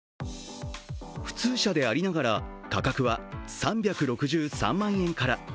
普通車でありながら、価格は３６３万円から。